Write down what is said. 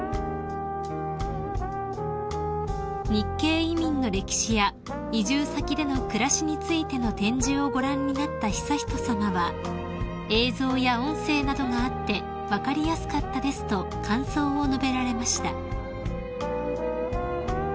［日系移民の歴史や移住先での暮らしについての展示をご覧になった悠仁さまは「映像や音声などがあって分かりやすかったです」と感想を述べられました］